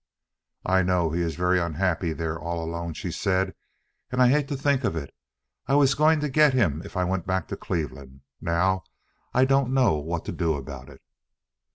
"I know he is very unhappy there all alone," she said, "and I hate to think of it. I was going to get him if I went back to Cleveland. Now I don't know what to do about it."